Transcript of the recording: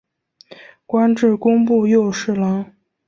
官至工部右侍郎。